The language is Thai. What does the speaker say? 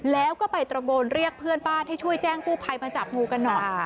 แล้วก็ไปตระโกนเรียกเพื่อนบ้านให้ช่วยแจ้งกู้ภัยมาจับงูกันหน่อย